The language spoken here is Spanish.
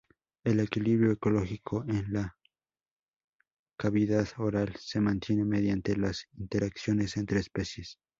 El equilibrio ecológico en la cavidad oral, se mantiene mediante las interacciones entre especies.